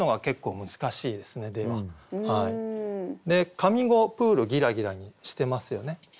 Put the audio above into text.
上五「プールぎらぎら」にしてますよね。